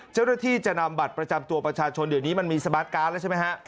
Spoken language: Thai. เจ้าหน้าที่จะนำบัตรประจำตัวประชาชนเดี๋ยวนี้มันมีสมาร์ทการ์ดแล้วใช่ไหมฮะ